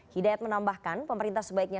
hidayat menambahkan pemerintah sebaiknya